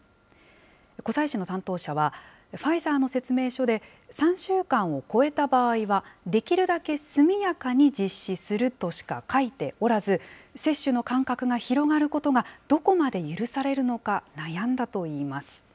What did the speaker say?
湖西市の担当者は、ファイザーの説明書で３週間を超えた場合は、できるだけ速やかに実施するとしか書いておらず、接種の間隔が広がることがどこまで許されるのか悩んだといいます。